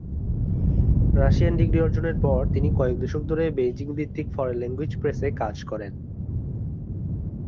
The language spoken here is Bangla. রাশিয়ান ডিগ্রী অর্জনের পর, তিনি কয়েক দশক ধরে বেইজিং ভিত্তিক ফরেন ল্যাঙ্গুয়েজ প্রেসে কাজ করেন।